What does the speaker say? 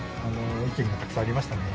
意見がたくさんありましたね。